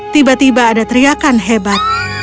tiba tiba ada teriakan hebat